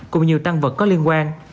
cùng nhiều tăng vật có liên quan